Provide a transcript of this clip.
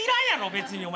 別にお前。